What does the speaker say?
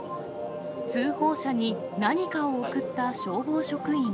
通報者に何かを送った消防職員。